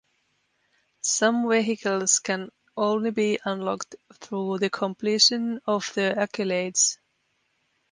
Some vehicles can only be unlocked through the completion of the Accolades.